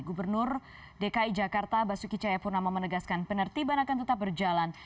gubernur dki jakarta basuki cayapurnama menegaskan penertiban akan tetap berjalan